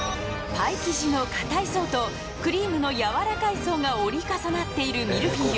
パイ生地の硬い層とクリームの柔らかい層が折り重なっているミルフィーユ。